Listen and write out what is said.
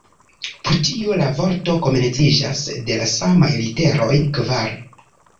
Pro tio la vorto komenciĝas de la samaj literoj "kvar".